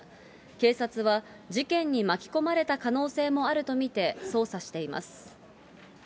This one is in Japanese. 警察は事件に巻き込まれた可能性もあると見て、捜査しています。